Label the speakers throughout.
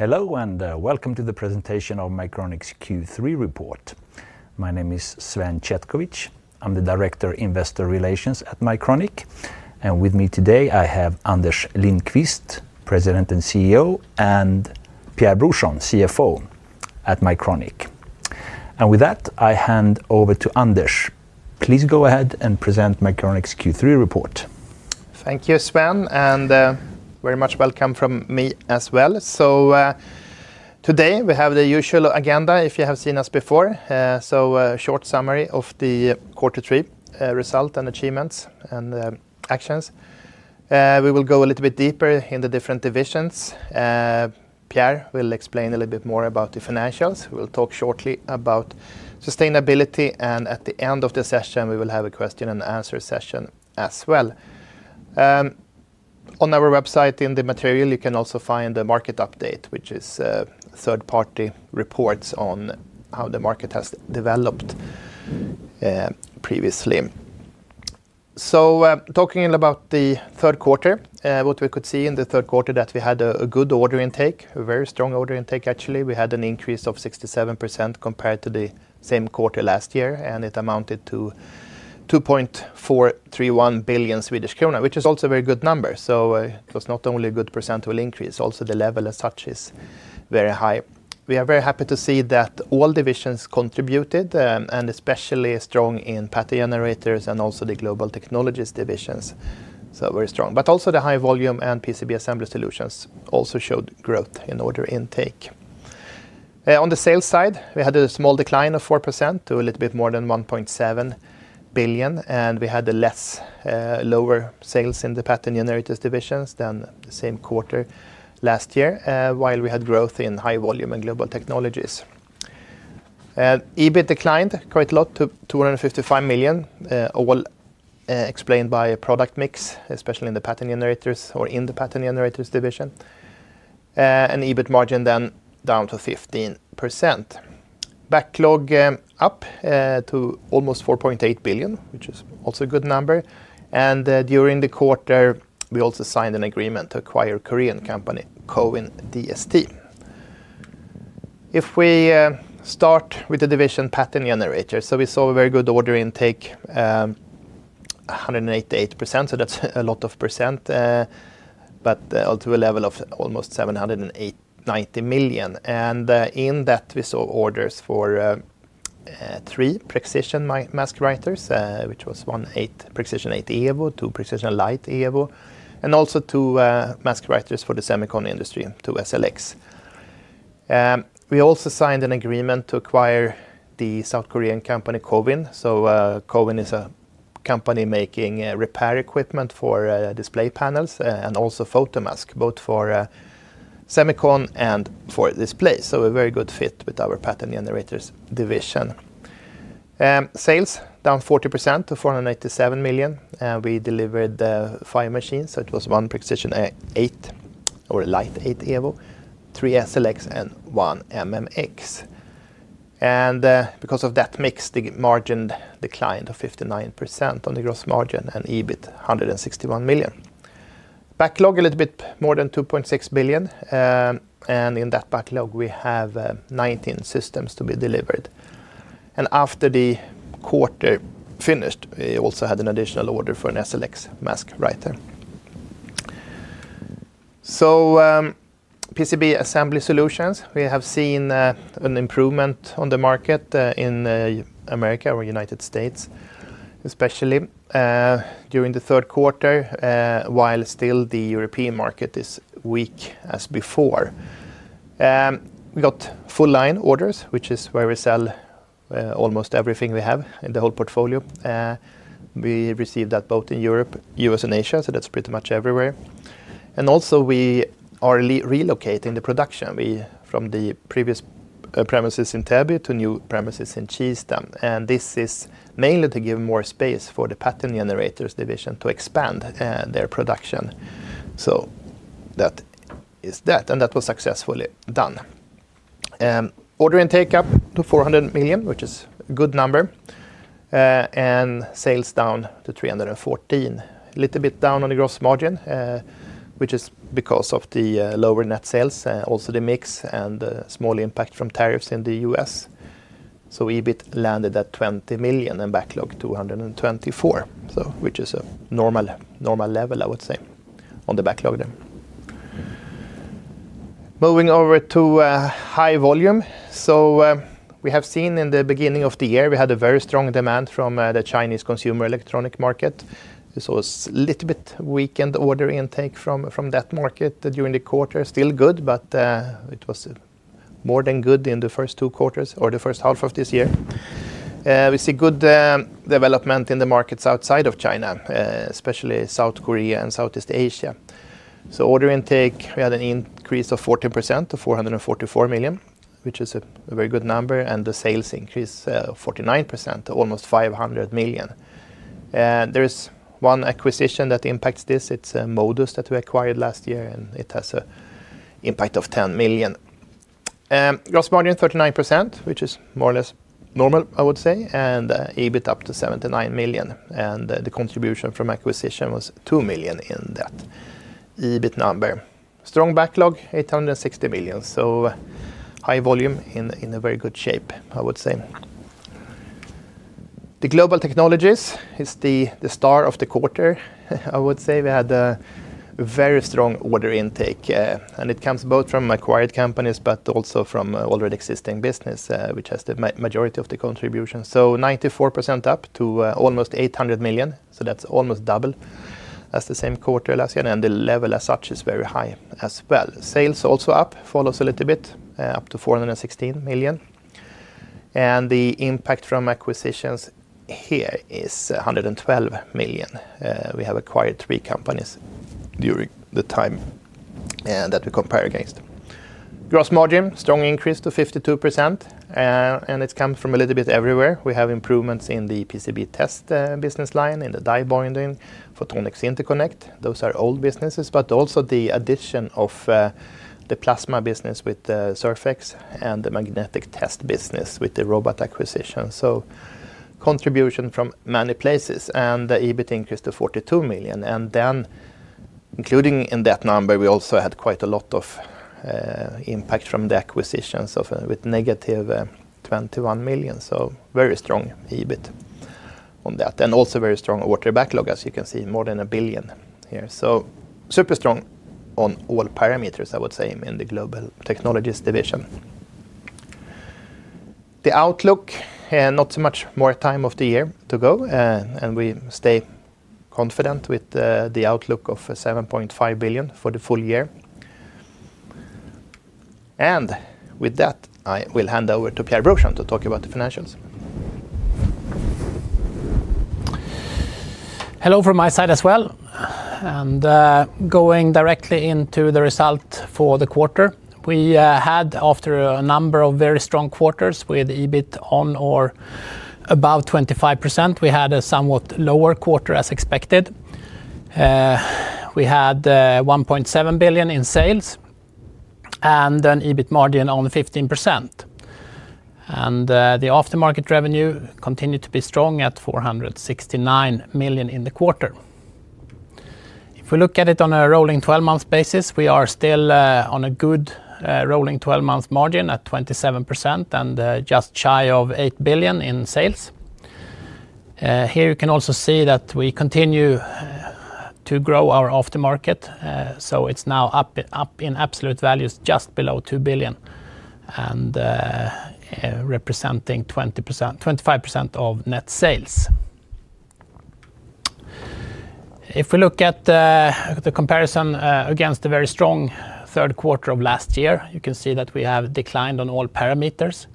Speaker 1: Hello and welcome to the presentation of the Mycronic Q3 report. My name is Sven Chetkovich. I'm the Director of Investor Relations at Mycronic, and with me today I have Anders Lindqvist, President and CEO, and Pierre Brorsson, CFO at Mycronic. With that, I hand over to Anders. Please go ahead and present Mycronic's Q3 report.
Speaker 2: Thank you, Sven, and very much welcome from me as well. Today we have the usual agenda, if you have seen us before. A short summary of the Q3 results and achievements and actions. We will go a little bit deeper into the different divisions. Pierre will explain a little bit more about the financials. We will talk shortly about sustainability, and at the end of the session, we will have a question and answer session as well. On our website, in the material, you can also find the market update, which is third-party reports on how the market has developed previously. Talking about the third quarter, what we could see in the third quarter is that we had a good order intake, a very strong order intake actually. We had an increase of 67% compared to the same quarter last year, and it amounted to 2.431 billion Swedish krona, which is also a very good number. It was not only a good percentual increase, also the level as such is very high. We are very happy to see that all divisions contributed, and especially strong in Pattern Generators and also the Global Technologies divisions. Very strong. Also the High Volume and PCB Assembly Solutions also showed growth in order intake. On the sales side, we had a small decline of 4% to a little bit more than 1.7 billion, and we had lower sales in the Pattern Generators division than the same quarter last year, while we had growth in High Volume and Global Technologies. EBIT declined quite a lot to 255 million, all explained by a product mix, especially in the Pattern Generators division. EBIT margin then down to 15%. Backlog up to almost 4.8 billion, which is also a good number. During the quarter, we also signed an agreement to acquire a Korean company, Koin DST. If we start with the division Pattern Generators, we saw a very good order intake, 188%, so that's a lot of percent, but to a level of almost 790 million. In that, we saw orders for three Precision mask writers, which was one Prexision 8000 Evo, two Prexision Lite EVO, and also two mask writers for the semiconductor industry, two SLX. We also signed an agreement to acquire the South Korean company Koin. Koin is a company making repair equipment for display panels and also photomasks, both for semiconductor and for displays. A very good fit with our Pattern Generators division. Sales down 40% to 487 million. We delivered five machines, so it was one Prexision 8000 Evo, three SLX, and one MMX. Because of that mix, the margin declined to 59% on the gross margin and EBIT 161 million. Backlog a little bit more than 2.6 billion, and in that backlog, we have 19 systems to be delivered. After the quarter finished, we also had an additional order for an SLX mask writer. PCB assembly solutions, we have seen an improvement on the market in America or the United States, especially during the third quarter, while still the European market is weak as before. We got full line orders, which is where we sell almost everything we have in the whole portfolio. We received that both in Europe, U.S., and Asia, so that's pretty much everywhere. We are relocating the production from the previous premises in Täby to new premises in Kista, and this is mainly to give more space for the Pattern Generators division to expand their production. That was successfully done. Order intake up to 400 million, which is a good number, and sales down to 314 million, a little bit down on the gross margin, which is because of the lower net sales, also the mix and the small impact from tariffs in the U.S. EBIT landed at 20 million and backlog 224 million, which is a normal level, I would say, on the backlog there. Moving over to High Volume, we have seen in the beginning of the year, we had a very strong demand from the Chinese consumer electronic market. This was a little bit weakened order intake from that market during the quarter, still good, but it was more than good in the first two quarters or the first half of this year. We see good development in the markets outside of China, especially South Korea and Southeast Asia. Order intake, we had an increase of 14% to 444 million, which is a very good number, and the sales increase of 49% to almost 500 million. There is one acquisition that impacts this, it's Modus that we acquired last year, and it has an impact of 10 million. Gross margin 39%, which is more or less normal, I would say, and EBIT up to 79 million, and the contribution from acquisition was 2 million in that EBIT number. Strong backlog 860 million, so High Volume in a very good shape, I would say. The Global Technologies is the star of the quarter, I would say. We had a very strong order intake, and it comes both from acquired companies, but also from already existing business, which has the majority of the contribution. 94% up to almost 800 million, that's almost double as the same quarter last year, and the level as such is very high as well. Sales also up, follows a little bit, up to 416 million, and the impact from acquisitions here is 112 million. We have acquired three companies du$ring the time that we compare against. Gross margin strong increase to 52%, and it comes from a little bit everywhere. We have improvements in the PCB test business line, in the die bonding, Photonics Interconnect. Those are old businesses, but also the addition of the plasma business with the Surfx and the magnetic test business with the hProbe acquisition. Contribution from many places, and the EBIT increased to 42 million, and then including in that number, we also had quite a lot of impact from the acquisitions with -21 million, very strong EBIT on that, and also very strong order backlog, as you can see, more than 1 billion here. Super strong on all parameters, I would say, in the Global Technologies division. The outlook, not so much more time of the year to go, and we stay confident with the outlook of 7.5 billion for the full year. With that, I will hand over to Pierre Brorsson to talk about the financials.
Speaker 3: Hello from my side as well, and going directly into the result for the quarter, we had, after a number of very strong quarters with EBIT on or above 25%, we had a somewhat lower quarter as expected. We had 1.7 billion in sales and an EBIT margin of 15%, and the aftermarket revenue continued to be strong at 469 million in the quarter. If we look at it on a rolling 12-month basis, we are still on a good rolling 12-month margin at 27% and just shy of 8 billion in sales. Here you can also see that we continue to grow our aftermarket, so it's now up in absolute values just below 2 billion and representing 25% of net sales. If we look at the comparison against the very strong third quarter of last year, you can see that we have declined on all parameters.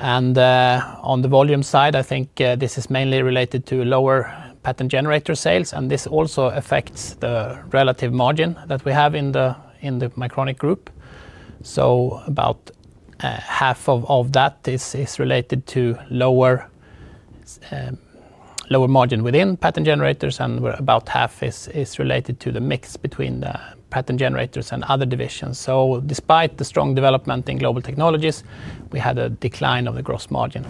Speaker 3: On the volume side, I think this is mainly related to lower Pattern Generators sales, and this also affects the relative margin that we have in the Mycronic group. About half of that is related to lower margin within Pattern Generators, and about half is related to the mix between the Pattern Generators and other divisions. Despite the strong development in Global Technologies, we had a decline of the gross margin.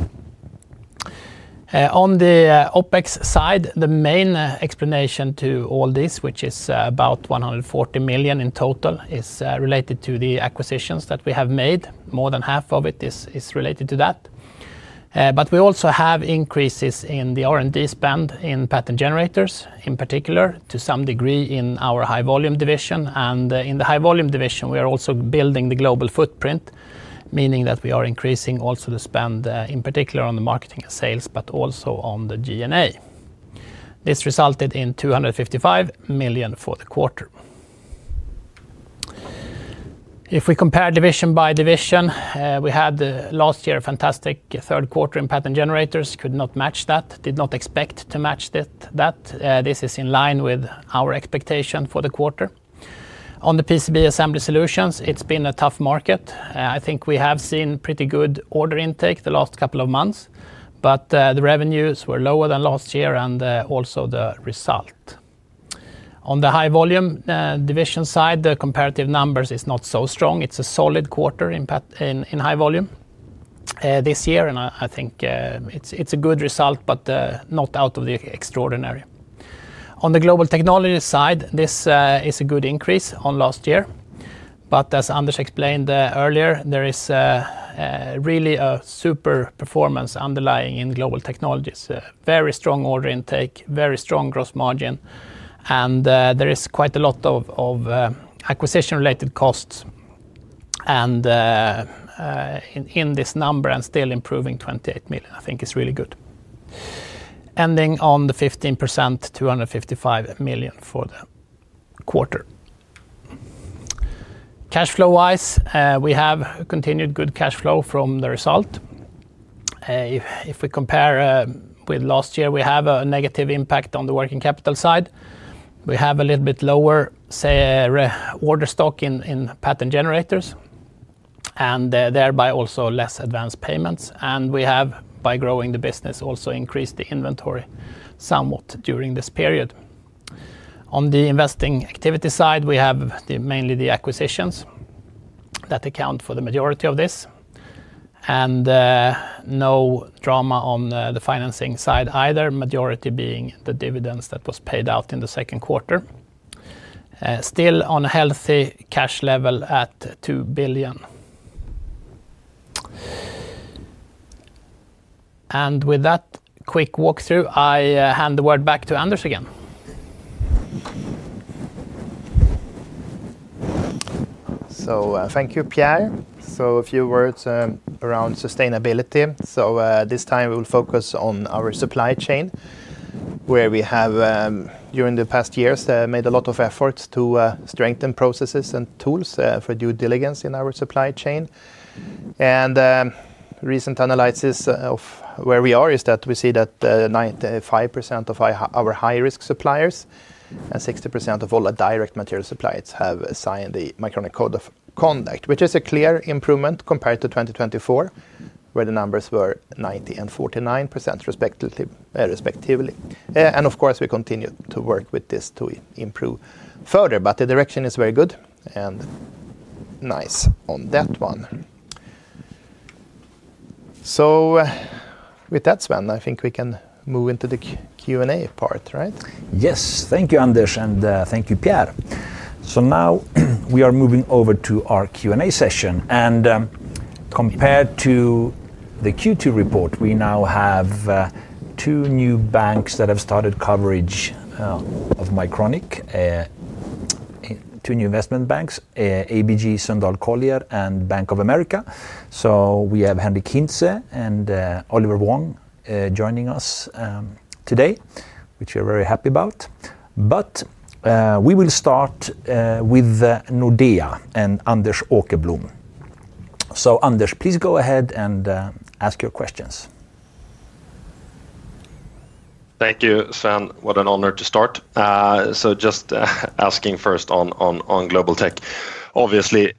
Speaker 3: On the OpEx side, the main explanation to all this, which is about 140 million in total, is related to the acquisitions that we have made. More than half of it is related to that, but we also have increases in the R&D spend in Pattern Generators, in particular to some degree in our High Volume division, and in the High Volume division, we are also building the global footprint, meaning that we are increasing also the spend, in particular on the marketing and sales, but also on the G&A. This resulted in 255 million for the quarter. If we compare division by division, we had last year a fantastic third quarter in Pattern Generators, could not match that, did not expect to match that. This is in line with our expectation for the quarter. On the PCB Assembly Solutions, it's been a tough market. I think we have seen pretty good order intake the last couple of months, but the revenues were lower than last year and also the result. On the High Volume division side, the comparative numbers are not so strong. It's a solid quarter in High Volume this year, and I think it's a good result, but not out of the extraordinary. On the Global Technologies side, this is a good increase on last year, but as Anders explained earlier, there is really a super performance underlying in Global Technologies. Very strong order intake, very strong gross margin, and there is quite a lot of acquisition-related costs in this number and still improving 28 million. I think it's really good. Ending on the 15%, 255 million for the quarter. Cash flow-wise, we have continued good cash flow from the result. If we compare with last year, we have a negative impact on the working capital side. We have a little bit lower, say, order stock in Pattern Generators and thereby also less advanced payments, and we have, by growing the business, also increased the inventory somewhat during this period. On the investing activity side, we have mainly the acquisitions that account for the majority of this, and no drama on the financing side either, majority being the dividends that were paid out in the second quarter. Still on a healthy cash level at 2 billion. With that quick walkthrough, I hand the word back to Anders again.
Speaker 2: Thank you, Pierre. A few words around sustainability. This time we will focus on our supply chain, where we have, during the past years, made a lot of efforts to strengthen processes and tools for due diligence in our supply chain. Recent analysis of where we are is that we see that 95% of our high-risk suppliers and 60% of all our direct material suppliers have signed the Mycronic Code of Conduct, which is a clear improvement compared to 2024, where the numbers were 90% and 49% respectively. We continue to work with this to improve further, but the direction is very good and nice on that one. With that, Sven, I think we can move into the Q&A part, right?
Speaker 1: Yes, thank you, Anders, and thank you, Pierre. We are moving over to our Q&A session. Compared to the Q2 report, we now have two new banks that have started coverage of Mycronic, two new investment banks, ABG Sundal Collier and Bank of America. We have Henric Hintze and Oliver Wong joining us today, which we are very happy about. We will start with Nordea and Anders Åkerblom. Anders, please go ahead and ask your questions.
Speaker 4: Thank you, Sven. What an honor to start. Just asking first on Global Technologies, obviously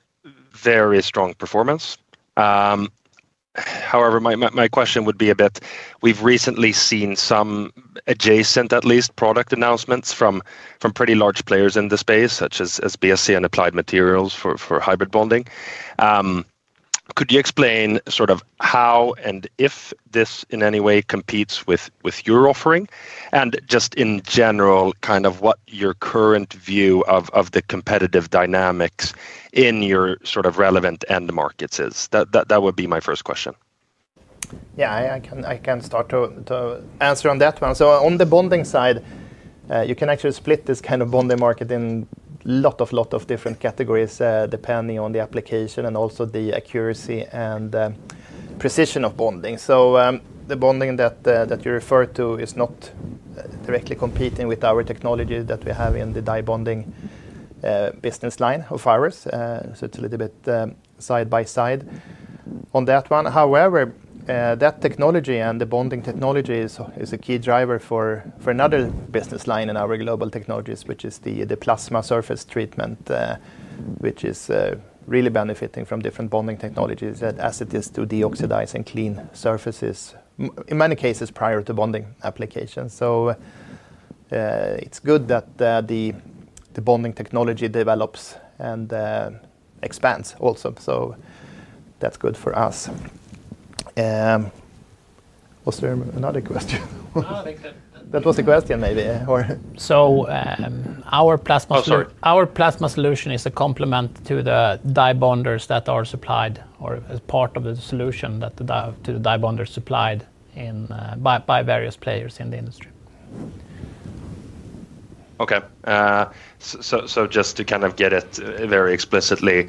Speaker 4: very strong performance. However, my question would be, we've recently seen some adjacent, at least, product announcements from pretty large players in the space, such as SUSS MicroTec and Applied Materials for hybrid bonding. Could you explain sort of how and if this in any way competes with your offering? In general, what your current view of the competitive dynamics in your sort of relevant end markets is? That would be my first question.
Speaker 2: Yeah, I can start to answer on that one. On the bonding side, you can actually split this kind of bonding market in a lot of different categories, depending on the application and also the accuracy and precision of bonding. The bonding that you refer to is not directly competing with our technology that we have in the die bonding business line of ours. It's a little bit side by side on that one. However, that technology and the bonding technology is a key driver for another business line in our Global Technologies, which is the plasma surface treatment, which is really benefiting from different bonding technologies as it is to deoxidize and clean surfaces in many cases prior to bonding applications. It's good that the bonding technology develops and expands also. That's good for us. Was there another question? That was the question maybe. Our plasma solution is a complement to the die bonders that are supplied or as part of the solution that the die bonders are supplied by various players in the industry.
Speaker 4: Okay. Just to kind of get it very explicitly,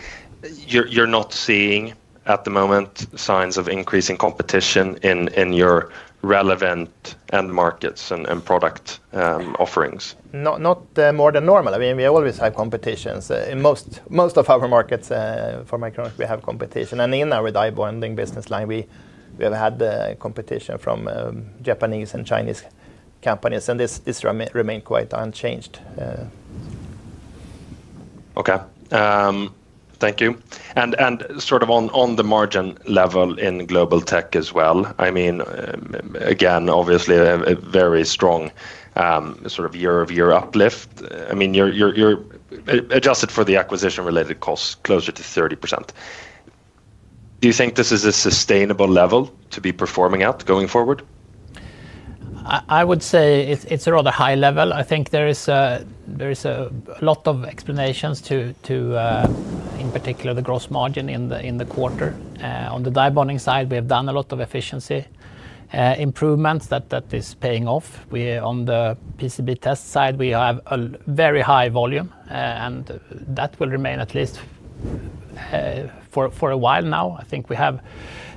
Speaker 4: you're not seeing at the moment signs of increasing competition in your relevant end markets and product offerings?
Speaker 2: Not more than normal. I mean, we always have competition. In most of our markets for Mycronic, we have competition. In our die bonding business line, we have had competition from Japanese and Chinese companies, and this remained quite unchanged.
Speaker 4: Thank you. On the margin level in Global Technologies as well, obviously a very strong year-over-year uplift. You're adjusted for the acquisition-related costs closer to 30%. Do you think this is a sustainable level to be performing at going forward?
Speaker 2: I would say it's a rather high level. I think there are a lot of explanations to, in particular, the gross margin in the quarter. On the die bonding side, we have done a lot of efficiency improvements that are paying off. On the PCB test side, we have a very high volume, and that will remain at least for a while now. I think we have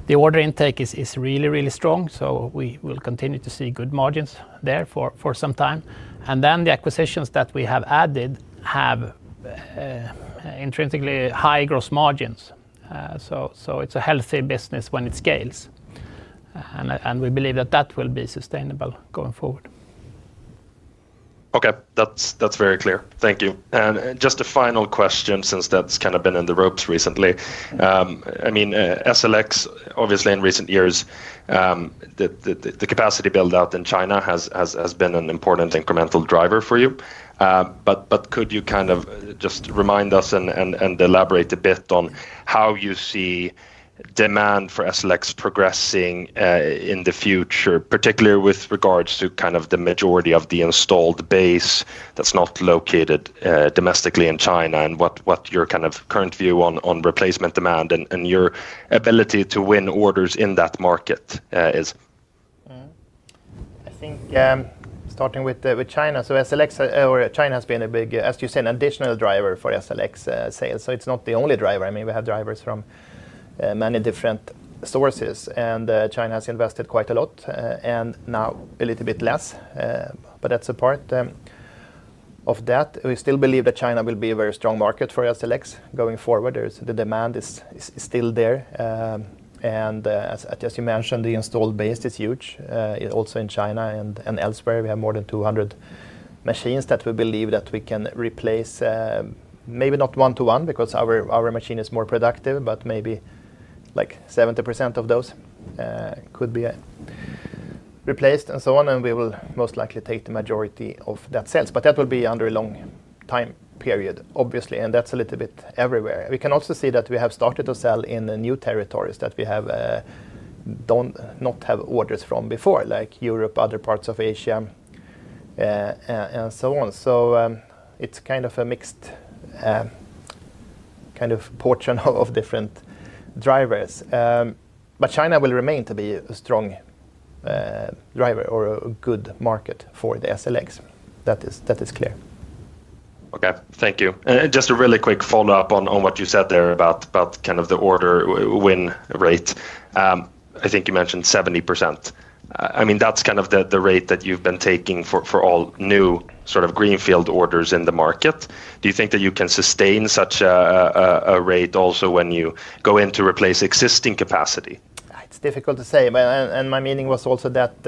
Speaker 2: the order intake is really, really strong, so we will continue to see good margins there for some time. The acquisitions that we have added have intrinsically high gross margins. It is a healthy business when it scales, and we believe that that will be sustainable going forward.
Speaker 4: Okay. That's very clear. Thank you. Just a final question since that's kind of been in the ropes recently. I mean, SLX, obviously in recent years, the capacity build-out in China has been an important incremental driver for you. Could you kind of just remind us and elaborate a bit on how you see demand for SLX progressing in the future, particularly with regards to the majority of the installed base that's not located domestically in China and what your current view on replacement demand and your ability to win orders in that market is?
Speaker 2: I think starting with China, SLX or China has been a big, as you said, an additional driver for SLX sales. It's not the only driver. We have drivers from many different sources, and China has invested quite a lot and now a little bit less. That's a part of that. We still believe that China will be a very strong market for SLX going forward. The demand is still there. As you mentioned, the installed base is huge also in China and elsewhere. We have more than 200 machines that we believe we can replace, maybe not one-to-one because our machine is more productive, but maybe like 70% of those could be replaced and so on. We will most likely take the majority of that sales. That will be under a long time period, obviously, and that's a little bit everywhere. We can also see that we have started to sell in new territories that we have not had orders from before, like Europe, other parts of Asia, and so on. It's kind of a mixed kind of portion of different drivers. China will remain to be a strong driver or a good market for the SLX. That is clear.
Speaker 4: Okay. Thank you. Just a really quick follow-up on what you said there about the order win rate. I think you mentioned 70%. That's the rate that you've been taking for all new sort of greenfield orders in the market. Do you think that you can sustain such a rate also when you go in to replace existing capacity?
Speaker 2: It's difficult to say. My meaning was also that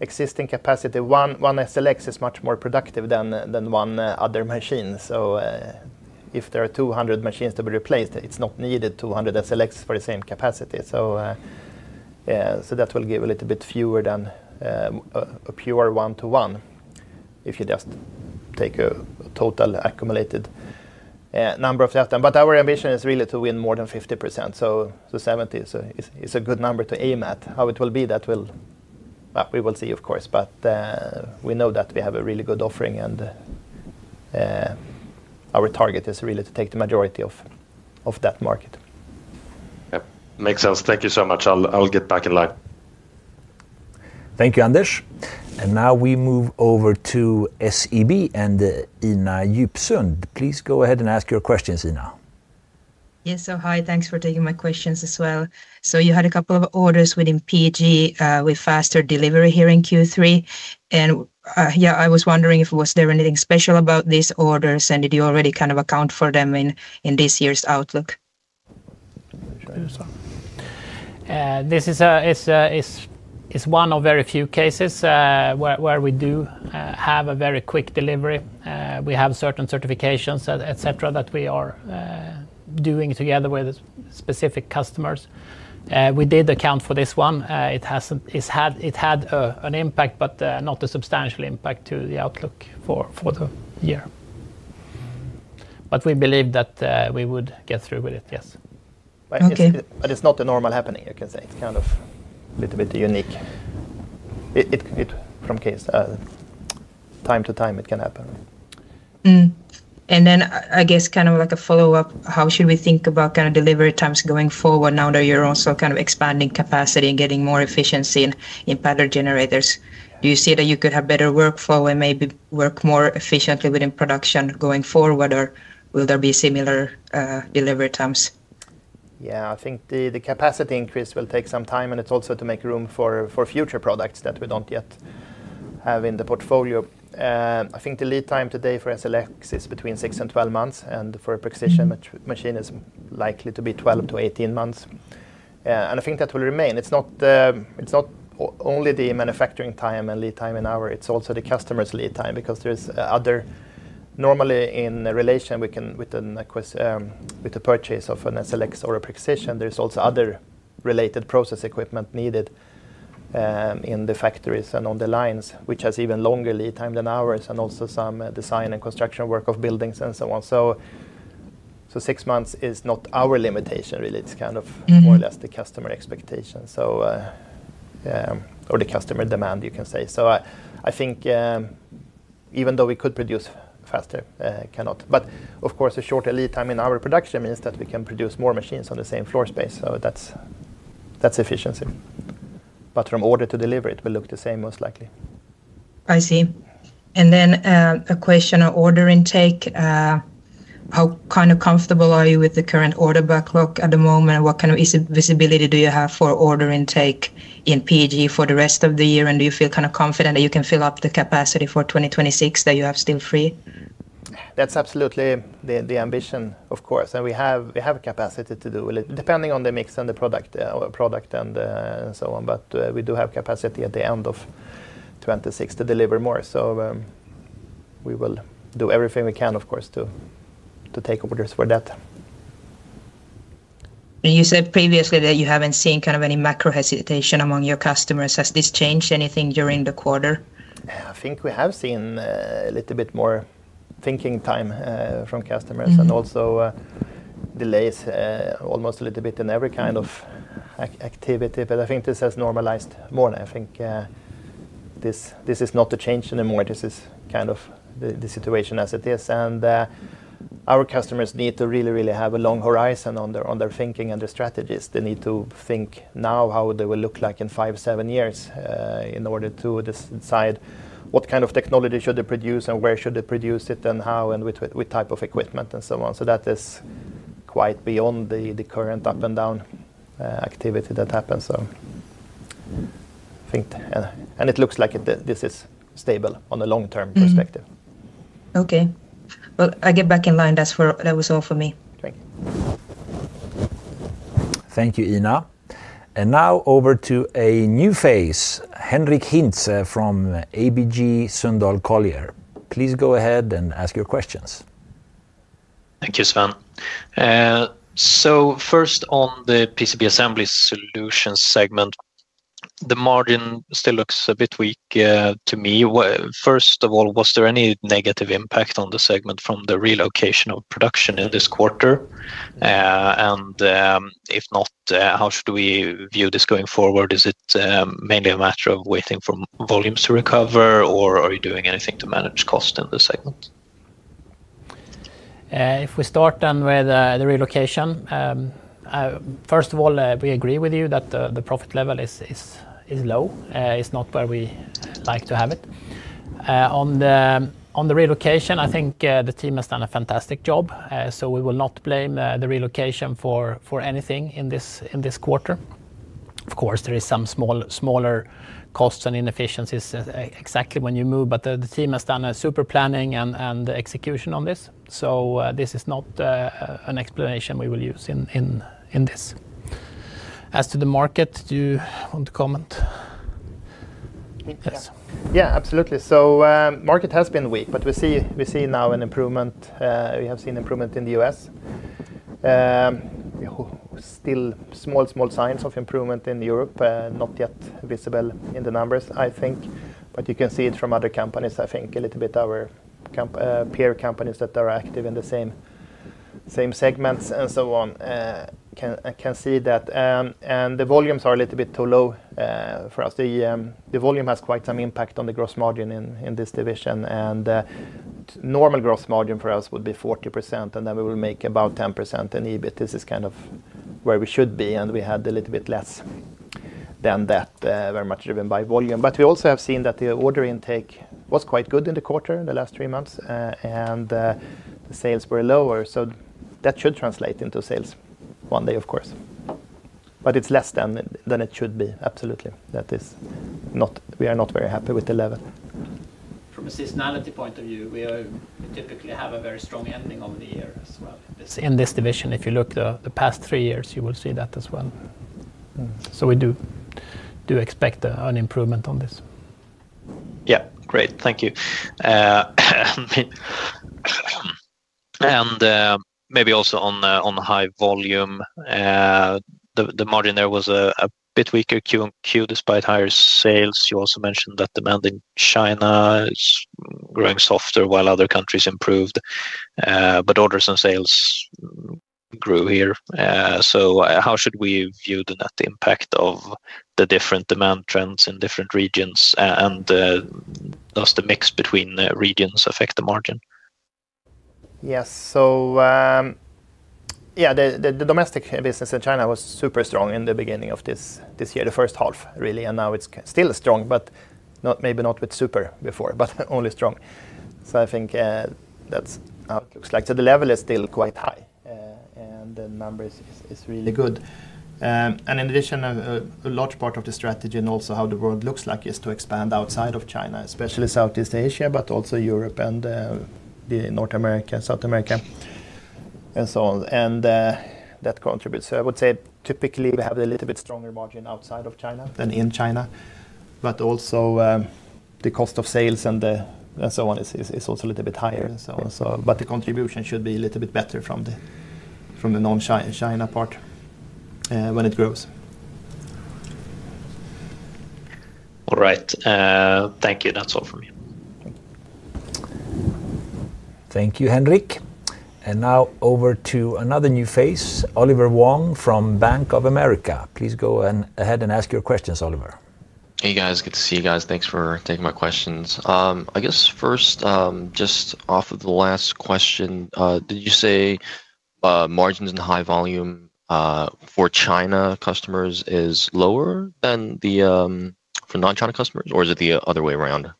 Speaker 2: existing capacity, one SLX is much more productive than one other machine. If there are 200 machines to be replaced, it's not needed 200 SLX for the same capacity. That will give a little bit fewer than a pure one-to-one if you just take a total accumulated number of that. Our ambition is really to win more than 50%. 70% is a good number to aim at. How it will be, we will see, of course. We know that we have a really good offering and our target is really to take the majority of that market.
Speaker 4: Yep. Makes sense. Thank you so much. I'll get back in line.
Speaker 1: Thank you, Anders. We move over to SEB and Ina Djupsund. Please go ahead and ask your questions, Ina.
Speaker 5: Yes, hi. Thanks for taking my questions as well. You had a couple of orders within P&G with faster delivery here in Q3. I was wondering if there was anything special about these orders, and did you already kind of account for them in this year's outlook?
Speaker 3: This is one of very few cases where we do have a very quick delivery. We have certain certifications, etc., that we are doing together with specific customers. We did account for this one. It had an impact, but not a substantial impact to the outlook for the year. We believe that we would get through with it, yes. It's not a normal happening, you can say. It's kind of a little bit unique. From time to time, it can happen.
Speaker 5: I guess kind of like a follow-up, how should we think about kind of delivery times going forward now that you're also kind of expanding capacity and getting more efficiency in Pattern Generators? Do you see that you could have better workflow and maybe work more efficiently within production going forward, or will there be similar delivery times?
Speaker 2: Yeah, I think the capacity increase will take some time, and it's also to make room for future products that we don't yet have in the portfolio. I think the lead time today for SLX is between 6-12 months, and for a Precision machine, it's likely to be 12-18 months. I think that will remain. It's not only the manufacturing time and lead time in ours, it's also the customer's lead time because there is other, normally in relation with the purchase of an SLX or a Precision, there is also other related process equipment needed in the factories and on the lines, which has even longer lead time than ours, and also some design and construction work of buildings and so on. Six months is not our limitation really. It's kind of more or less the customer expectation, or the customer demand, you can say. I think even though we could produce faster, cannot. Of course, a shorter lead time in our production means that we can produce more machines on the same floor space. That's efficiency. From order to delivery, it will look the same most likely.
Speaker 5: I see. A question on order intake. How kind of comfortable are you with the current order backlog at the moment, and what kind of visibility do you have for order intake in P&G for the rest of the year, and do you feel kind of confident that you can fill up the capacity for 2026 that you have still free?
Speaker 2: That's absolutely the ambition, of course. We have capacity to do, depending on the mix and the product and so on, but we do have capacity at the end of 2026 to deliver more. We will do everything we can, of course, to take orders for that.
Speaker 5: You said previously that you haven't seen any macro hesitation among your customers. Has this changed during the quarter?
Speaker 2: I think we have seen a little bit more thinking time from customers and also delays almost a little bit in every kind of activity. I think this has normalized more. I think this is not a change anymore. This is kind of the situation as it is. Our customers need to really, really have a long horizon on their thinking and their strategies. They need to think now how they will look like in five, seven years in order to decide what kind of technology should they produce and where should they produce it and how and with what type of equipment and so on. That is quite beyond the current up and down activity that happens. I think it looks like this is stable on a long-term perspective.
Speaker 5: Okay, I get back in line. That was all for me.
Speaker 3: Thank you.
Speaker 1: Thank you, Ina. Now over to a new phase. Henric Hintze from ABG Sundal Collier. Please go ahead and ask your questions.
Speaker 6: Thank you, Sven. First, on the PCB assembly solutions segment, the margin still looks a bit weak to me. Was there any negative impact on the segment from the relocation of production in this quarter? If not, how should we view this going forward? Is it mainly a matter of waiting for volumes to recover, or are you doing anything to manage costs in this segment?
Speaker 3: If we start then with the relocation, first of all, we agree with you that the profit level is low. It's not where we like to have it. On the relocation, I think the team has done a fantastic job. We will not blame the relocation for anything in this quarter. Of course, there are some smaller costs and inefficiencies exactly when you move, but the team has done a super planning and execution on this. This is not an explanation we will use in this. As to the market, do you want to comment?
Speaker 2: Yeah, absolutely. The market has been weak, but we see now an improvement. We have seen improvement in the U.S. Still small, small signs of improvement in Europe, not yet visible in the numbers, I think. You can see it from other companies, I think, a little bit, our peer companies that are active in the same segments and so on can see that. The volumes are a little bit too low for us. The volume has quite some impact on the gross margin in this division. Normal gross margin for us would be 40%, and then we will make about 10% in EBIT. This is kind of where we should be, and we had a little bit less than that, very much driven by volume. We also have seen that the order intake was quite good in the quarter, in the last three months, and the sales were lower. That should translate into sales one day, of course. It's less than it should be, absolutely. That is not, we are not very happy with the level. From a seasonality point of view, we typically have a very strong ending of the year as well. In this division, if you look at the past three years, you will see that as well. We do expect an improvement on this.
Speaker 6: Yeah, great. Thank you. Maybe also on High Volume, the margin there was a bit weaker Q despite higher sales. You also mentioned that demand in China is growing softer while other countries improved, but orders and sales grew here. How should we view the net impact of the different demand trends in different regions, and does the mix between regions affect the margin?
Speaker 2: Yes, the domestic business in China was super strong in the beginning of this year, the first half really, and now it's still strong, but maybe not with super before, but only strong. I think that's how it looks like. The level is still quite high, and the numbers are really good. In addition, a large part of the strategy and also how the world looks like is to expand outside of China, especially Southeast Asia, but also Europe and North America, South America, and so on. That contributes. I would say typically we have a little bit stronger margin outside of China than in China, but also the cost of sales and so on is also a little bit higher and so on. The contribution should be a little bit better from the non-China part when it grows.
Speaker 6: All right, thank you. That's all for me.
Speaker 1: Thank you, Henrik. Now over to another new phase, Oliver Wong from Bank of America. Please go ahead and ask your questions, Oliver.
Speaker 7: Hey guys, good to see you guys. Thanks for taking my questions. I guess first, just off of the last question, did you say margins in High Volume for China customers are lower than for non-China customers, or is it the other way around?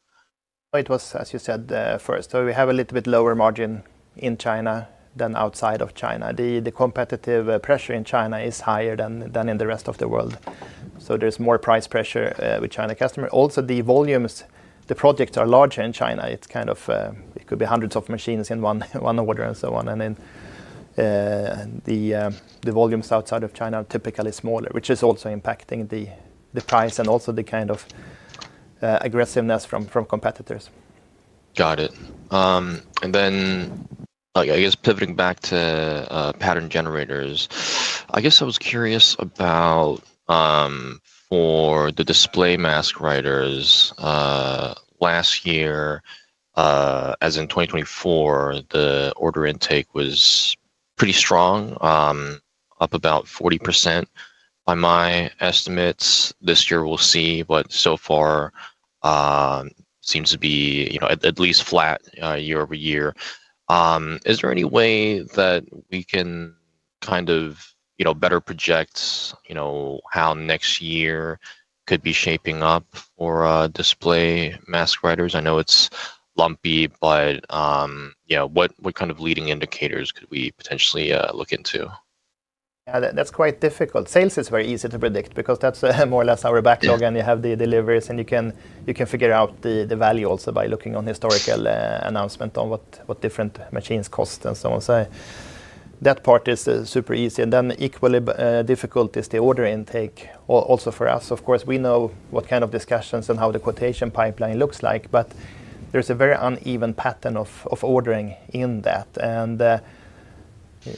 Speaker 2: It was, as you said, first. We have a little bit lower margin in China than outside of China. The competitive pressure in China is higher than in the rest of the world. There's more price pressure with China customers. Also, the volumes, the projects are larger in China. It could be hundreds of machines in one order and so on. The volumes outside of China are typically smaller, which is also impacting the price and also the kind of aggressiveness from competitors.
Speaker 7: Got it. I guess pivoting back to Pattern Generators, I was curious about for the display mask writers last year, as in 2024, the order intake was pretty strong, up about 40%. By my estimates, this year we'll see, but so far it seems to be at least flat year-over-year. Is there any way that we can kind of better project how next year could be shaping up for display mask writers? I know it's lumpy, but yeah, what kind of leading indicators could we potentially look into?
Speaker 2: Yeah, that's quite difficult. Sales is very easy to predict because that's more or less our backlog, and you have the deliveries, and you can figure out the value also by looking on historical announcement on what different machines cost and so on. That part is super easy. Equally difficult is the order intake also for us. Of course, we know what kind of discussions and how the quotation pipeline looks like, but there's a very uneven pattern of ordering in that. I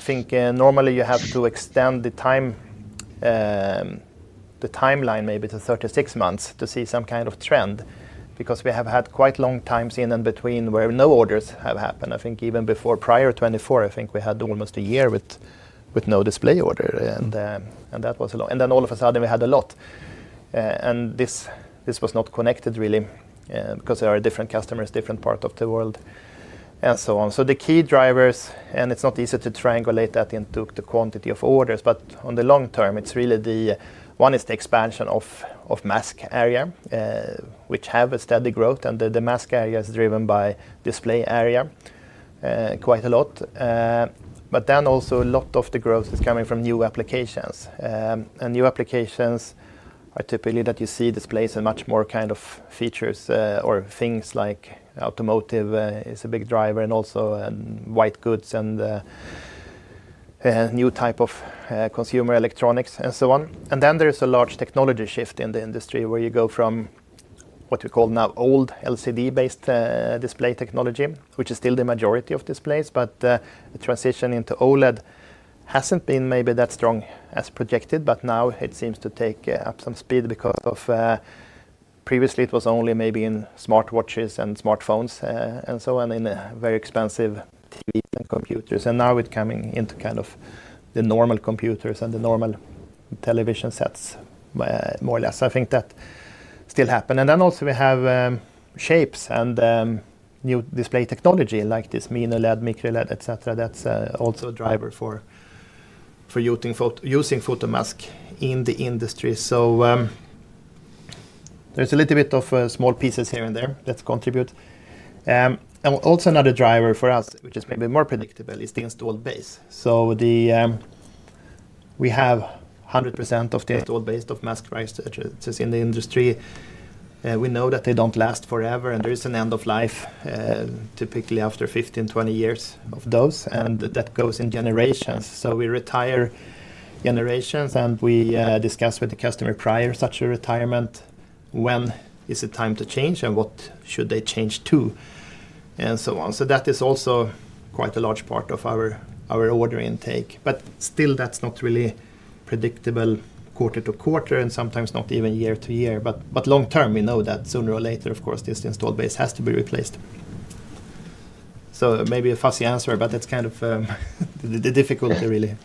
Speaker 2: think normally you have to extend the timeline maybe to 36 months to see some kind of trend because we have had quite long times in and between where no orders have happened. I think even before prior 2024, I think we had almost a year with no display order. That was a lot, and then all of a sudden we had a lot. This was not connected really because there are different customers, different parts of the world and so on. The key drivers, and it's not easy to triangulate that into the quantity of orders, but on the long term, it's really the one is the expansion of mask area, which have a steady growth. The mask area is driven by display area quite a lot, but then also a lot of the growth is coming from new applications. New applications are typically that you see displays and much more kind of features or things like automotive is a big driver and also white goods and new type of consumer electronics and so on. There is a large technology shift in the industry where you go from what we call now old LCD-based display technology, which is still the majority of displays, but the transition into OLED hasn't been maybe that strong as projected, but now it seems to take up some speed because previously it was only maybe in smartwatches and smartphones and so on and in very expensive TVs and computers. Now it's coming into kind of the normal computers and the normal television sets more or less. I think that still happens. Also, we have shapes and new display technology like this MiniLED, MicroLED, etc. That's also a driver for using photomask in the industry. There's a little bit of small pieces here and there that contribute. Another driver for us, which is maybe more predictable, is the installed base. We have 100% of the installed base of mask writers in the industry. We know that they don't last forever and there is an end of life typically after 15, 20 years of those, and that goes in generations. We retire generations and we discuss with the customer prior to such a retirement when is it time to change and what should they change to and so on. That is also quite a large part of our order intake. Still, that's not really predictable quarter to quarter and sometimes not even year to year. Long term, we know that sooner or later, of course, this installed base has to be replaced. Maybe a fussy answer, but that's kind of the difficulty really.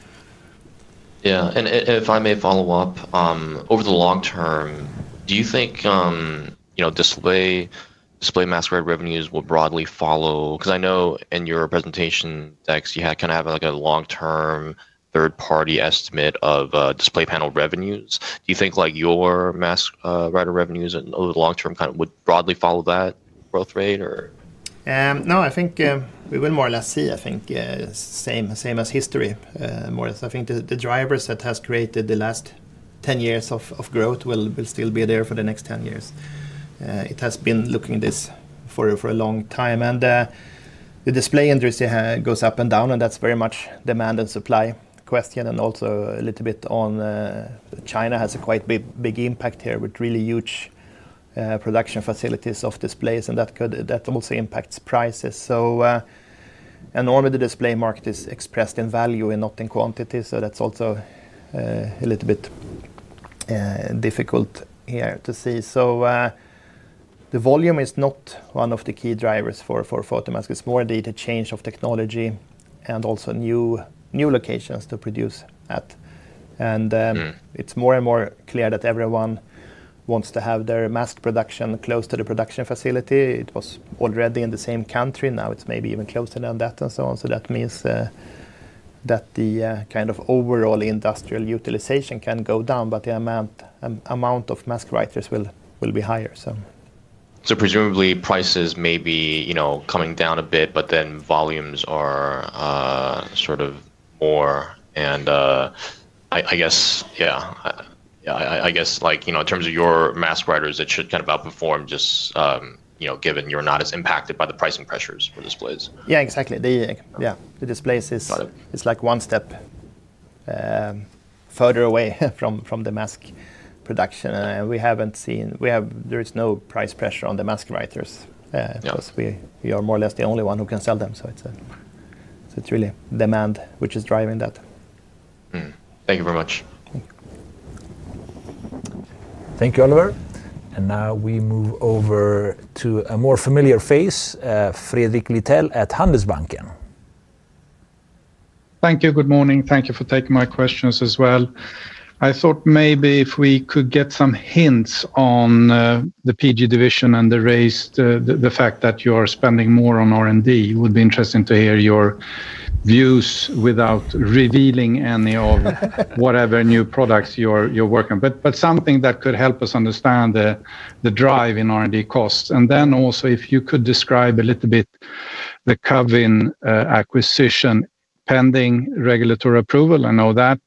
Speaker 7: Yeah, if I may follow up, over the long term, do you think display mask writer revenues will broadly follow? I know in your presentation, Dex, you kind of have like a long-term third-party estimate of display panel revenues. Do you think your mask writer revenues over the long term would broadly follow that growth rate?
Speaker 2: No, I think we will more or less see, I think, the same as history. I think the drivers that have created the last 10 years of growth will still be there for the next 10 years. It has been looking at this for a long time. The display industry goes up and down, and that's very much a demand and supply question. Also, China has a quite big impact here with really huge production facilities of displays, and that also impacts prices. Normally the display market is expressed in value and not in quantity. That's also a little bit difficult here to see. The volume is not one of the key drivers for photomask. It's more the change of technology and also new locations to produce at. It's more and more clear that everyone wants to have their mask production close to the production facility. It was already in the same country. Now it's maybe even closer than that and so on. That means that the kind of overall industrial utilization can go down, but the amount of mask writers will be higher.
Speaker 7: Presumably, prices may be coming down a bit, but then volumes are sort of more. I guess, yeah, I guess like in terms of your mask writers, it should kind of outperform just given you're not as impacted by the pricing pressures for displays.
Speaker 2: Yeah, exactly. The displays is like one step further away from the mask production. We haven't seen, there is no price pressure on the mask writers because we are more or less the only one who can sell them. It's really demand which is driving that.
Speaker 7: Thank you very much.
Speaker 3: Thank you.
Speaker 1: Thank you, Oliver. Now we move over to a more familiar face, Fredrik Lithell at Handelsbanken.
Speaker 8: Thank you. Good morning. Thank you for taking my questions as well. I thought maybe if we could get some hints on the PG division and the fact that you are spending more on R&D, it would be interesting to hear your views without revealing any of whatever new products you're working on, but something that could help us understand the drive in R&D costs. If you could describe a little bit the Koin DST acquisition pending regulatory approval and all that,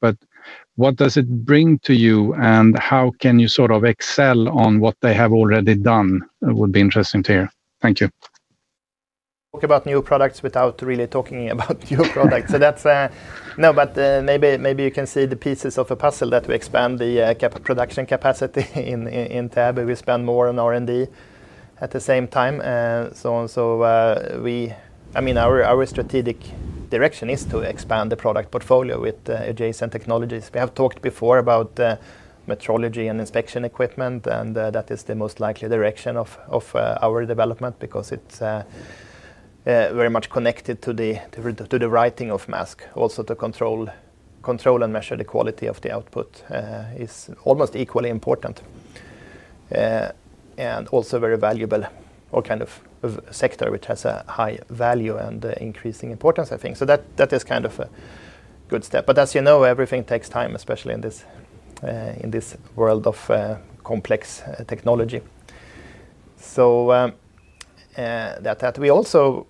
Speaker 8: what does it bring to you and how can you sort of excel on what they have already done? It would be interesting to hear. Thank you.
Speaker 2: Talk about new products without really talking about new products. Maybe you can see the pieces of a puzzle that we expand the production capacity in Täby. We spend more on R&D at the same time and so on. Our strategic direction is to expand the product portfolio with adjacent technologies. We have talked before about metrology and inspection equipment, and that is the most likely direction of our development because it's very much connected to the writing of mask. Also, to control and measure the quality of the output is almost equally important and also very valuable or kind of a sector which has a high value and increasing importance, I think. That is kind of a good step. As you know, everything takes time, especially in this world of complex technology. We also,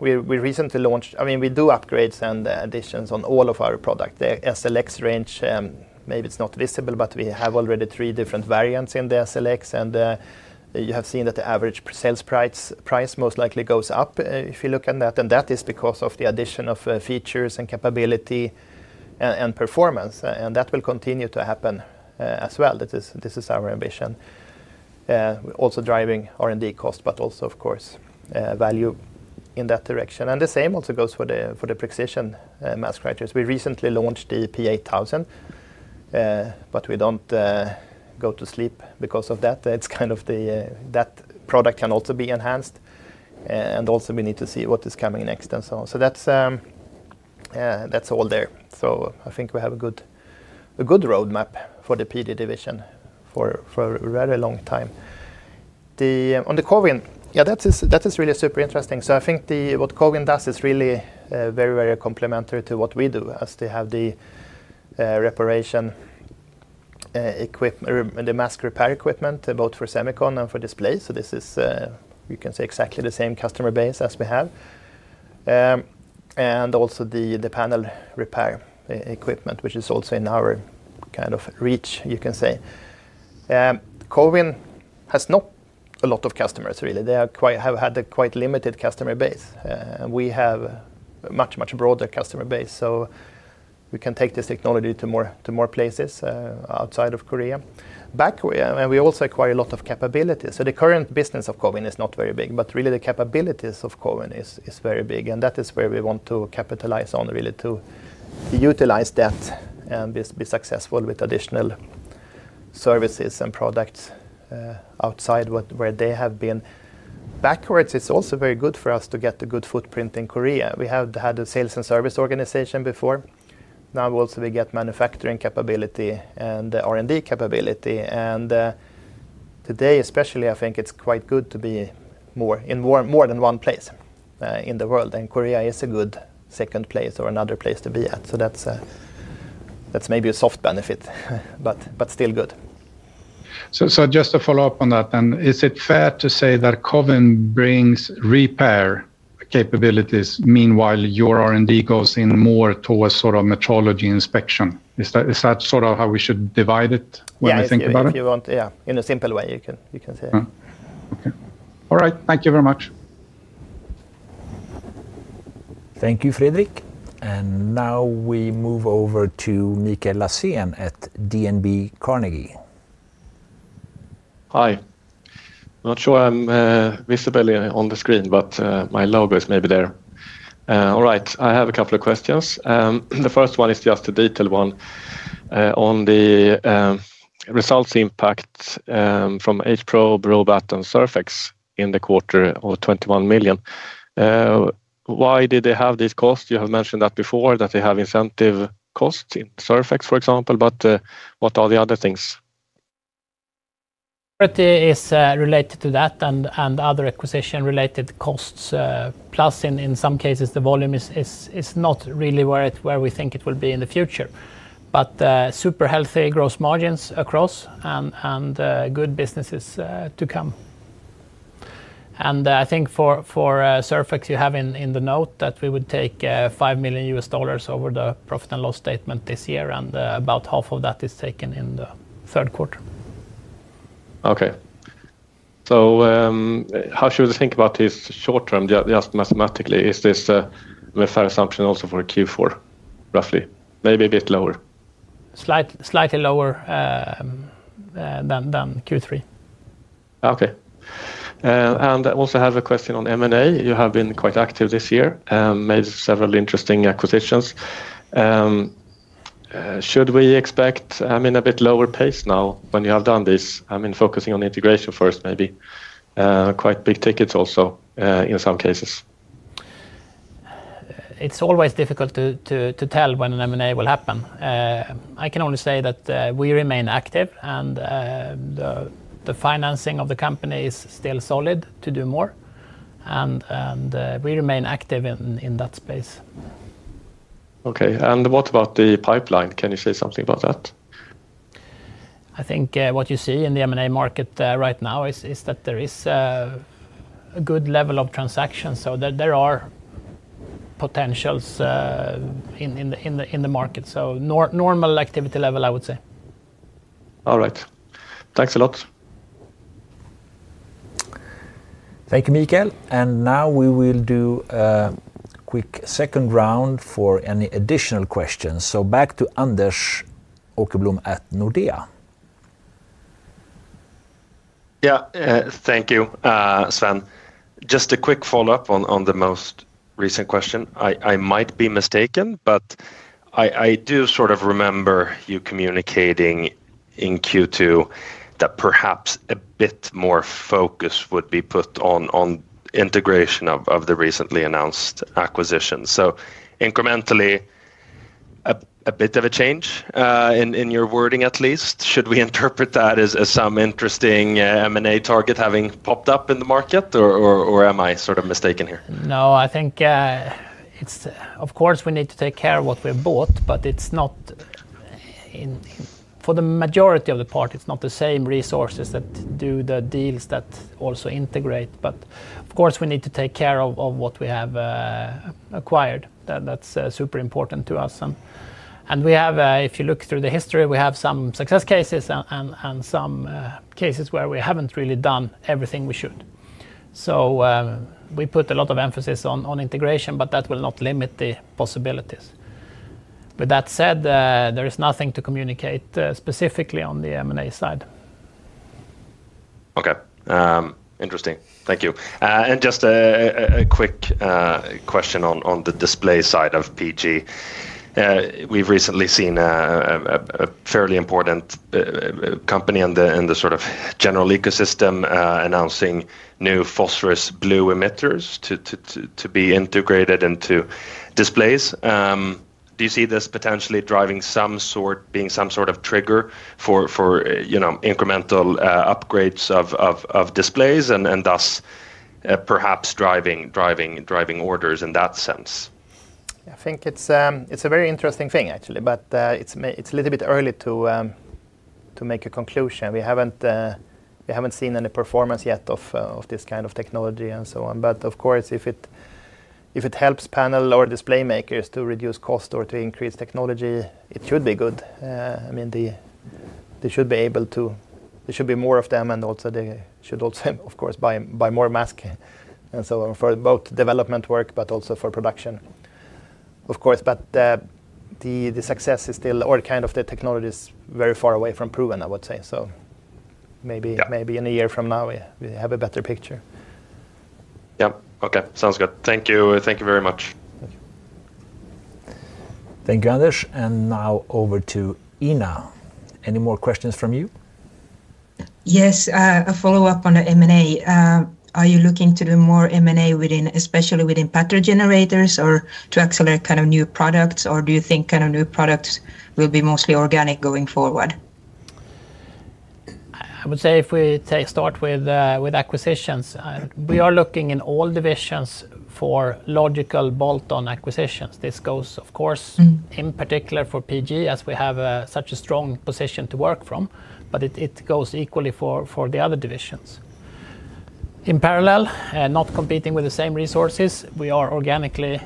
Speaker 2: we recently launched, I mean, we do upgrades and additions on all of our products. The SLX range, maybe it's not visible, but we have already three different variants in the SLX, and you have seen that the average sales price most likely goes up if you look at that. That is because of the addition of features and capability and performance, and that will continue to happen as well. This is our ambition. We're also driving R&D cost, but also, of course, value in that direction. The same also goes for the precision mask writers. We recently launched the Prexision 8000 EVO, but we don't go to sleep because of that. It's kind of that product can also be enhanced, and also we need to see what is coming next and so on. That's all there. I think we have a good roadmap for the Pattern Generators division for a very long time. On the Koin DST, that is really super interesting. I think what Koin DST does is really very, very complementary to what we do as they have the repair equipment, the mask repair equipment, both for semiconductor and for display. This is, you can say, exactly the same customer base as we have. Also the panel repair equipment, which is also in our kind of reach, you can say. Koin DST has not a lot of customers really. They have had a quite limited customer base. We have a much, much broader customer base. We can take this technology to more places outside of South Korea. We also acquire a lot of capabilities. The current business of Koin DST is not very big, but really the capabilities of Koin DST are very big, and that is where we want to capitalize on, really to utilize that and be successful with additional services and products outside where they have been. Backwards, it's also very good for us to get a good footprint in Korea. We have had a sales and service organization before. Now we also get manufacturing capability and R&D capability. Today, especially, I think it's quite good to be in more than one place in the world. Korea is a good second place or another place to be at. That's maybe a soft benefit, but still good.
Speaker 8: Is it fair to say that Koin DST brings repair capabilities? Meanwhile, your R&D goes in more towards sort of metrology inspection. Is that sort of how we should divide it when we think about it?
Speaker 2: Yeah, in a simple way, you can say.
Speaker 8: Okay. All right. Thank you very much.
Speaker 1: Thank you, Fredrik. Now we move over to Mikael Larssen at DNB Carnegie.
Speaker 9: Hi. I'm not sure I'm visible on the screen, but my logo is maybe there. All right. I have a couple of questions. The first one is just a detailed one on the results impact from Hprobe, RoyoTech, and Surfx in the quarter of 21 million. Why did they have these costs? You have mentioned that before, that they have incentive costs in Surfx, for example, but what are the other things?
Speaker 3: It is related to that and other acquisition-related costs. Plus, in some cases, the volume is not really where we think it will be in the future. Super healthy gross margins across and good businesses to come. For Surfx, you have in the note that we would take SEK 5 million over the profit and loss statement this year, and about half of that is taken in the third quarter.
Speaker 9: Okay. How should we think about this short term? Just mathematically, is this a fair assumption also for Q4 roughly? Maybe a bit lower.
Speaker 3: Slightly lower than Q3.
Speaker 9: Okay. I also have a question on M&A. You have been quite active this year, made several interesting acquisitions. Should we expect a bit lower pace now when you have done this? I mean, focusing on integration first, maybe quite big tickets also in some cases.
Speaker 3: It's always difficult to tell when an M&A will happen. I can only say that we remain active, and the financing of the company is still solid to do more. We remain active in that space.
Speaker 9: Okay. What about the pipeline? Can you say something about that?
Speaker 3: I think what you see in the M&A market right now is that there is a good level of transactions. There are potentials in the market. Normal activity level, I would say.
Speaker 9: All right, thanks a lot.
Speaker 1: Thank you, Mikael. We will do a quick second round for any additional questions. Back to Anders Åkerblom at Nordea.
Speaker 4: Thank you, Sven. Just a quick follow-up on the most recent question. I might be mistaken, but I do sort of remember you communicating in Q2 that perhaps a bit more focus would be put on integration of the recently announced acquisition. Incrementally, a bit of a change in your wording at least. Should we interpret that as some interesting M&A target having popped up in the market, or am I sort of mistaken here?
Speaker 3: No, I think it's, of course, we need to take care of what we've bought, but it's not, for the majority of the part, it's not the same resources that do the deals that also integrate. Of course, we need to take care of what we have acquired. That's super important to us. If you look through the history, we have some success cases and some cases where we haven't really done everything we should. We put a lot of emphasis on integration, but that will not limit the possibilities. With that said, there is nothing to communicate specifically on the M&A side.
Speaker 4: Okay. Interesting. Thank you. Just a quick question on the display side of PG. We've recently seen a fairly important company in the general ecosystem announcing new phosphorus blue emitters to be integrated into displays. Do you see this potentially driving some sort, being some sort of trigger for incremental upgrades of displays and thus perhaps driving orders in that sense?
Speaker 2: I think it's a very interesting thing, actually, but it's a little bit early to make a conclusion. We haven't seen any performance yet of this kind of technology and so on. Of course, if it helps panel or display makers to reduce cost or to increase technology, it should be good. I mean, they should be able to, there should be more of them and also they should also, of course, buy more masks and so on for both development work, but also for production, of course. The success is still, or kind of the technology is very far away from proven, I would say. Maybe in a year from now we have a better picture.
Speaker 4: Yeah, okay. Sounds good. Thank you. Thank you very much.
Speaker 2: Thank you.
Speaker 1: Thank you, Anders. Now over to Ina. Any more questions from you?
Speaker 5: Yes, a follow-up on the M&A. Are you looking to do more M&A, especially within Pattern Generators, or to accelerate kind of new products, or do you think kind of new products will be mostly organic going forward?
Speaker 3: I would say if we start with acquisitions, we are looking in all divisions for logical bolt-on acquisitions. This goes, of course, in particular for PG as we have such a strong position to work from, but it goes equally for the other divisions. In parallel, not competing with the same resources, we are organically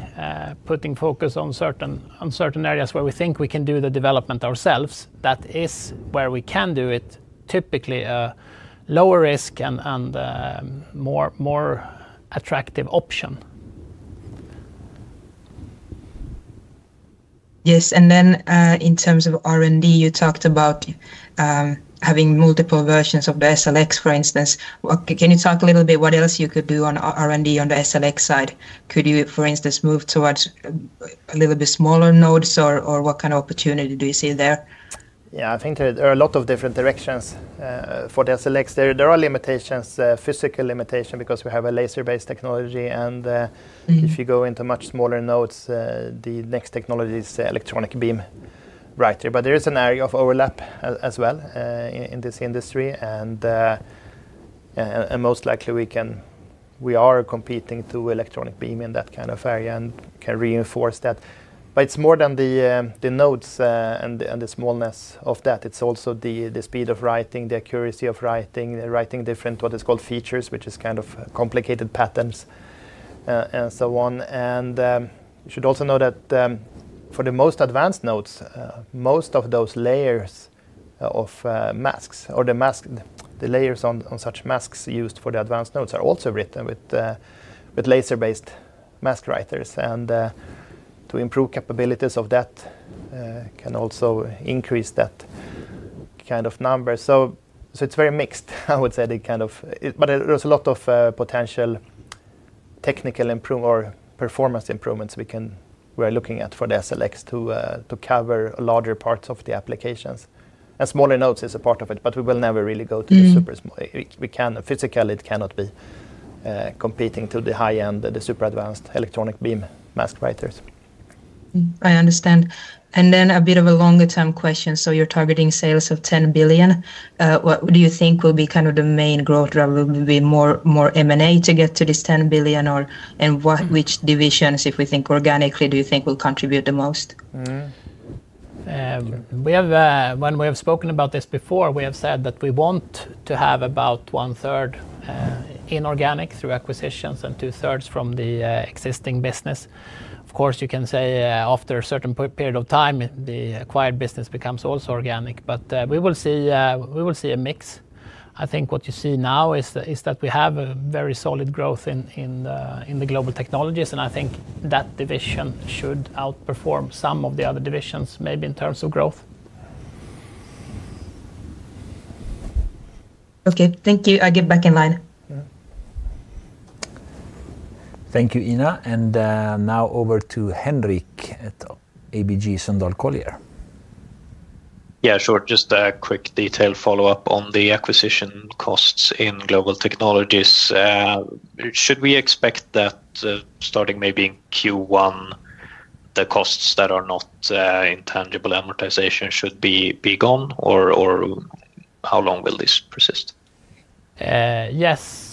Speaker 3: putting focus on certain areas where we think we can do the development ourselves. That is where we can do it, typically a lower risk and more attractive option.
Speaker 5: Yes, in terms of R&D, you talked about having multiple versions of the SLX, for instance. Can you talk a little bit about what else you could do on R&D on the SLX side? Could you, for instance, move towards a little bit smaller nodes or what kind of opportunity do you see there?
Speaker 2: Yeah, I think there are a lot of different directions for the SLX. There are limitations, physical limitations because we have a laser-based technology, and if you go into much smaller nodes, the next technology is electron beam writer. There is an area of overlap as well in this industry, and most likely we are competing to electron beam in that kind of area and can reinforce that. It is more than the nodes and the smallness of that. It is also the speed of writing, the accuracy of writing, the writing different, what is called features, which is kind of complicated patterns and so on. You should also know that for the most advanced nodes, most of those layers of masks or the mask, the layers on such masks used for the advanced nodes are also written with laser-based mask writers. To improve capabilities of that can also increase that kind of number. It is very mixed, I would say, but there is a lot of potential technical improvement or performance improvements we are looking at for the SLX to cover larger parts of the applications. Smaller nodes is a part of it, but we will never really go to the super small. We can, physically, it cannot be competing to the high end, the super advanced electron beam mask writers.
Speaker 5: I understand. A bit of a longer-term question: you're targeting sales of 10 billion. What do you think will be the main growth driver? Will it be more M&A to get to this 10 billion, or which divisions, if we think organically, do you think will contribute the most?
Speaker 2: We have, when we have spoken about this before, said that we want to have about one-third inorganic through acquisitions and two-thirds from the existing business. Of course, you can say after a certain period of time, the acquired business becomes also organic, but we will see a mix. I think what you see now is that we have a very solid growth in the Global Technologies, and I think that division should outperform some of the other divisions, maybe in terms of growth.
Speaker 5: Okay, thank you. I'll get back in line.
Speaker 1: Thank you, Ina. Now over to Henric at ABG Sundal Collier.
Speaker 6: Yeah, sure. Just a quick detailed follow-up on the acquisition costs in Global Technologies. Should we expect that starting maybe in Q1, the costs that are not intangible amortization should be gone, or how long will this persist?
Speaker 3: Yes,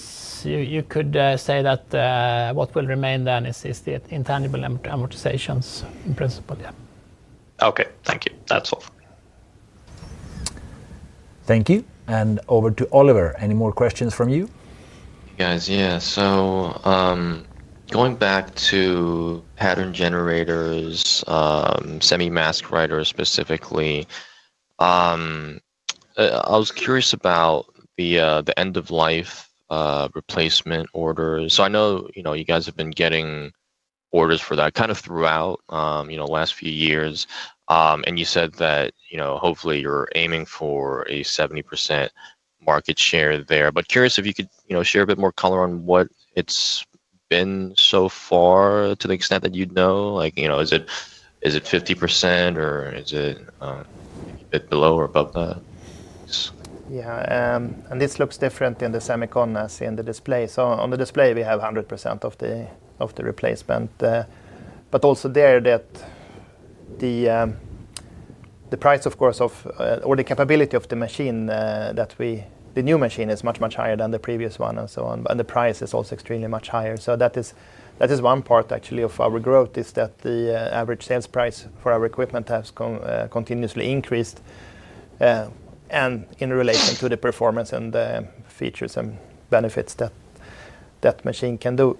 Speaker 3: you could say that what will remain then is the intangible amortizations in principle, yeah.
Speaker 6: Okay, thank you. That's all.
Speaker 1: Thank you. Over to Olivier. Any more questions from you?
Speaker 7: Hey guys, going back to Pattern Generators, semi-mask writers specifically, I was curious about the end-of-life replacement orders. I know you guys have been getting orders for that kind throughout the last few years, and you said that hopefully you're aiming for a 70% market share there. I'm curious if you could share a bit more color on what it's been so far to the extent that you'd know. Like, you know, is it 50% or is it a bit below or above that?
Speaker 2: Yeah, this looks different in the semiconductor as in the display. On the display, we have 100% of the replacement, but also there the price, of course, or the capability of the machine, the new machine is much, much higher than the previous one, and the price is also extremely much higher. That is one part actually of our growth, that the average sales price for our equipment has continuously increased in relation to the performance and the features and benefits that that machine can do.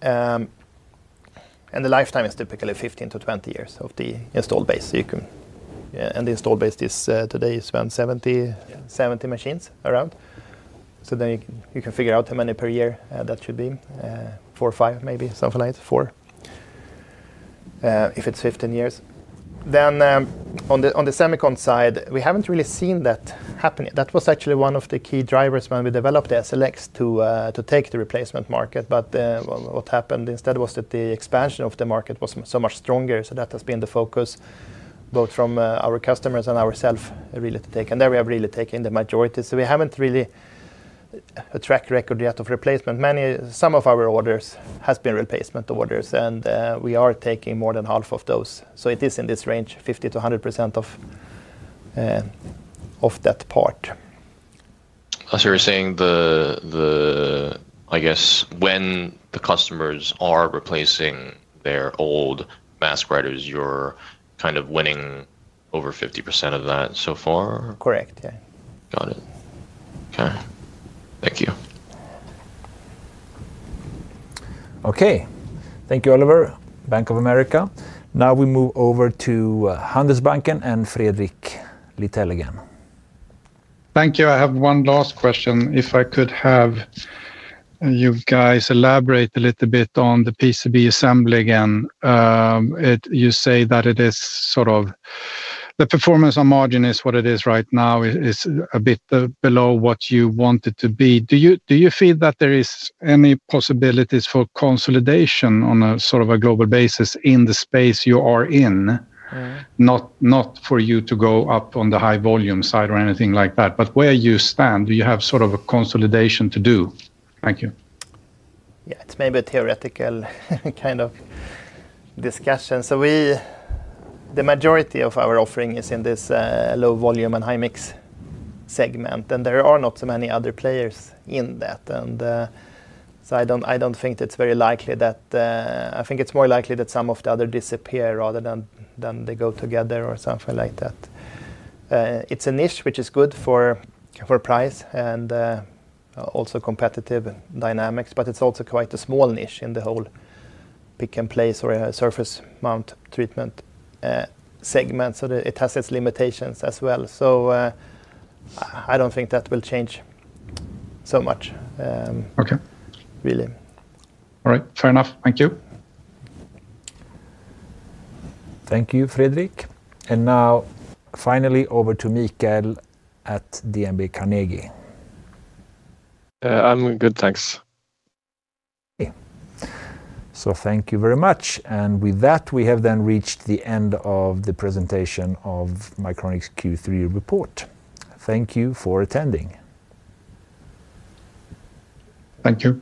Speaker 2: The lifetime is typically 15-20 years of the installed base. The installed base today is around 70 machines. You can figure out how many per year that should be, four or five maybe, something like four if it's 15 years. On the semiconductor side, we haven't really seen that happening. That was actually one of the key drivers when we developed the SLX to take the replacement market. What happened instead was that the expansion of the market was so much stronger. That has been the focus both from our customers and ourselves really to take, and there we have really taken the majority. We haven't really a track record yet of replacement. Some of our orders have been replacement orders, and we are taking more than half of those. It is in this range, 50%-100% of that part.
Speaker 7: You're saying when the customers are replacing their old mask writers, you're kind of winning over 50% of that so far?
Speaker 2: Correct, yeah.
Speaker 7: Got it. Okay. Thank you.
Speaker 1: Okay. Thank you, Olivier, Bank of America. Now we move over to Handelsbanken and Fredrik Lithell again.
Speaker 8: Thank you. I have one last question. If I could have you guys elaborate a little bit on the PCB assembly again. You say that the performance on margin is what it is right now. It's a bit below what you want it to be. Do you feel that there are any possibilities for consolidation on a global basis in the space you are in? Not for you to go up on the High Volume side or anything like that, but where you stand, do you have a consolidation to do? Thank you.
Speaker 3: Yeah, it's maybe a theoretical kind of discussion. The majority of our offering is in this low volume and high mix segment, and there are not so many other players in that. I don't think it's very likely that, I think it's more likely that some of the others disappear rather than they go together or something like that. It's a niche which is good for price and also competitive dynamics, but it's also quite a small niche in the whole pick and place or surface mount treatment segment. It has its limitations as well. I don't think that will change so much, really.
Speaker 8: Okay. All right, fair enough. Thank you.
Speaker 1: Thank you, Fredrik. Finally, over to Mikael at DNB Carnegie.
Speaker 4: I'm good, thanks.
Speaker 1: Thank you very much. With that, we have then reached the end of the presentation of Mycronic's Q3 report. Thank you for attending.
Speaker 2: Thank you.